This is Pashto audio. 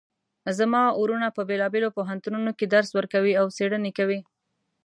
زما وروڼه په بیلابیلو پوهنتونونو کې درس ورکوي او څیړنې کوی